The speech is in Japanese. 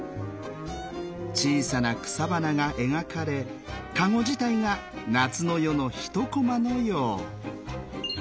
小さな草花が描かれかご自体が夏の夜の一コマのよう。